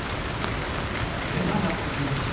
出ばな小手打ち。